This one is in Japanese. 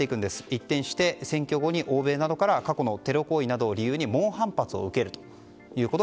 一転して、選挙後に欧米から、過去のテロ行為などを理由に猛反発を受けました。